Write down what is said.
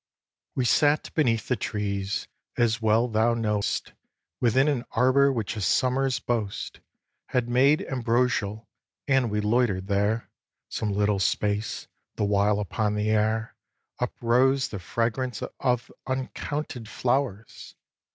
xii. We sat beneath the trees, as well thou know'st, Within an arbour which a summer's boast Had made ambrosial; and we loiter'd there Some little space, the while upon the air Uprose the fragrance of uncounted flowers.